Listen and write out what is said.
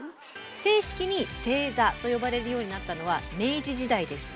正式に「正座」と呼ばれるようになったのは明治時代です。